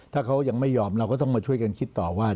ถ้าเขายังไม่ยอมเราก็ต้องมาช่วยกันคิดต่อว่า